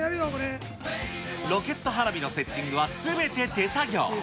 ロケット花火のセッティングはすべて手作業。